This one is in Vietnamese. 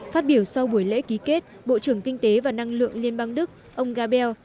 phát biểu sau buổi lễ ký kết bộ trưởng kinh tế và năng lượng liên bang đức ông gabell